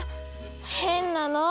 へんなの。